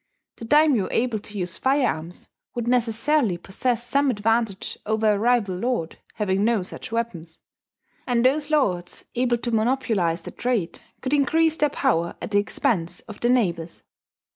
The daimyo able to use firearms would necessarily possess some advantage over a rival lord having no such weapons; and those lords able to monopolize the trade could increase their power at the expense of their neighbours.